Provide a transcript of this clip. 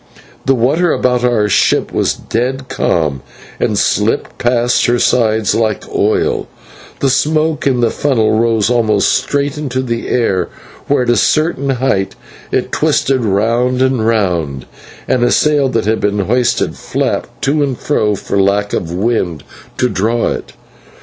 The water about our ship was dead calm, and slipped past her sides like oil; the smoke in the funnel rose almost straight into the air, where at a certain height it twisted round and round; and a sail that had been hoisted flapped to and fro for lack of wind to draw it.